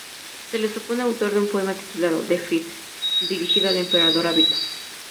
Se le supone autor de un poema titulado "De fide", dirigido al emperador Avito.